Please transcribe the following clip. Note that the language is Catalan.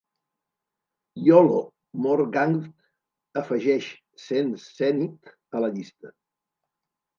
Iolo Morganwg afegeix Saint Cenydd a la llista.